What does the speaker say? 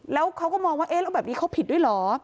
แล้วเขาก็มองว่าเอ๊ะแล้วแบบนี้เขาผิดด้วยเหรอ